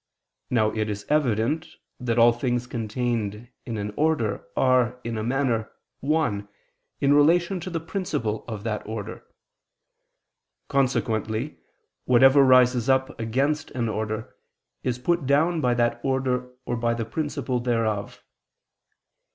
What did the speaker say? Now it is evident that all things contained in an order, are, in a manner, one, in relation to the principle of that order. Consequently, whatever rises up against an order, is put down by that order or by the principle thereof.